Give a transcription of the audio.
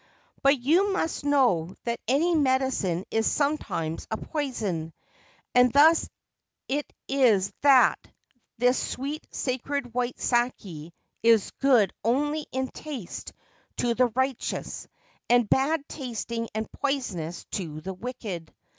But you must know that any medicine is sometimes a poison, and thus it is that this sweet sacred white sake is good only in taste to the righteous, and bad tasting and poisonous to the wicked.